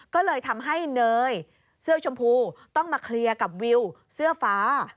ก็เลยทำให้เนยเสื้อชมพูต้องมาเคลียร์กับวิวเสื้อฟ้า